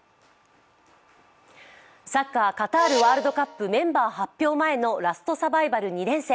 サッカー・カタールワールドカップ、メンバー発表前のラストサバイバル２連戦。